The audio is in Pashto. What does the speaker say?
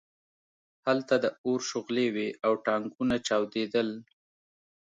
هلته د اور شغلې وې او ټانکونه چاودېدل